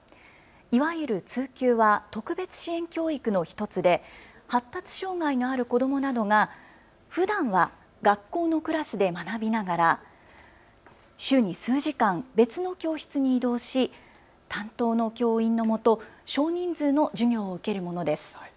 いわゆる通級は特別支援教育の１つで発達障害のある子どもなどが、ふだんは学校のクラスで学びながら週に数時間、別の教室に移動し担当の教員のもと少人数の授業を受けるものです。